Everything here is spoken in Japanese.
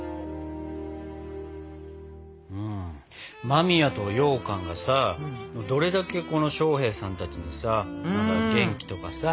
間宮とようかんがさどれだけ将兵さんたちにさ元気とかさ